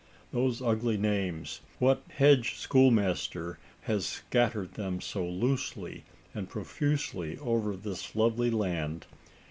those ugly names! What hedge schoolmaster has scattered them so loosely and profusely over this lovely land?